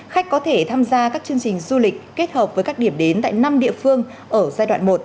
khách có thể tham gia các chương trình du lịch kết hợp với các điểm đến tại năm địa phương ở giai đoạn một